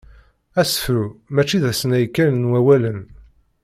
Asefru mačči d asnay kan n wawalen.